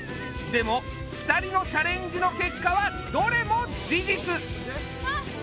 でも２人のチャレンジの結果はどれも事実！